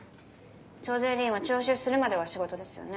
徴税吏員は徴収するまでが仕事ですよね？